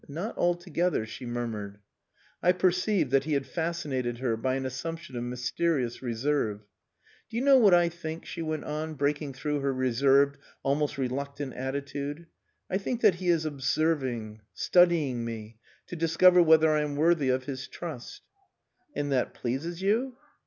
"Not altogether," she murmured. I perceived that he had fascinated her by an assumption of mysterious reserve. "Do you know what I think?" she went on, breaking through her reserved, almost reluctant attitude: "I think that he is observing, studying me, to discover whether I am worthy of his trust...." "And that pleases you?"